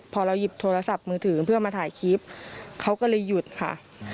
พอเราหยิบโทรศัพท์มือถือเพื่อมาถ่ายคลิปเขาก็เลยหยุดค่ะ